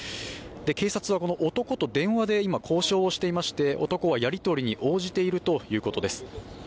警察は男と電話で今、交渉していまして男はやり取りに応じているということです。